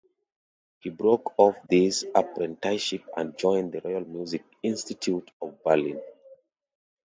He broke off this apprenticeship and joined the Royal Music Institute of Berlin.